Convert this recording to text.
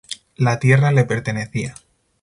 La tierra le pertenecía.